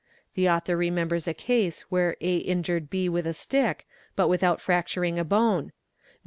The author remembers a case where A injured B with a stick but without fracturing a bone.